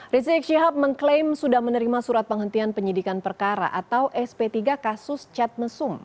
rizik syihab mengklaim sudah menerima surat penghentian penyidikan perkara atau sp tiga kasus cat mesum